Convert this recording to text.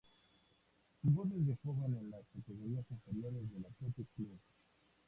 Jugó desde joven en las categorías inferiores del Athletic Club.